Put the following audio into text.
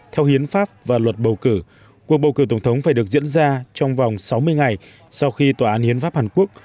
theo hiến pháp và luật bầu cử cuộc bầu cử tổng thống phải được diễn ra trong vòng sáu mươi ngày sau khi tòa án hiến pháp hàn quốc